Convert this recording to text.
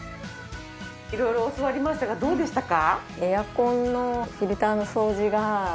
色々教わりましたがどうでしたか？